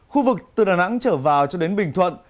khu vực từ đà nẵng trở vào cho đến bình thuận